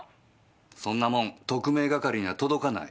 そんなもん特命係には届かない。